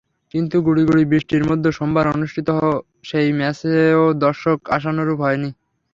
কিন্তু গুঁড়ি গুঁড়ি বৃষ্টির মধ্যে সোমবার অনুষ্ঠিত সেই ম্যাচেও দর্শক আশানুরূপ হয়নি।